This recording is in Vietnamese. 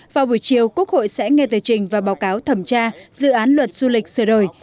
vào buổi chiều quốc hội sẽ nghe tờ trình và báo cáo thẩm tra dự án luật du lịch sửa đổi